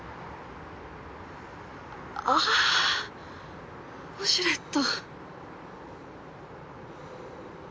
あウォシュレット。